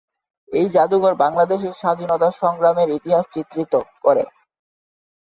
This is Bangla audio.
এই জাদুঘর বাংলাদেশের স্বাধীনতা সংগ্রামের ইতিহাস চিত্রিত করে।